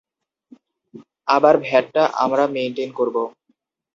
আবার ভ্যাটটা আমরা মেনটেইন করব।